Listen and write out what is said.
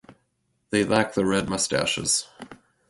They lack the red moustaches.